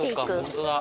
本当だ。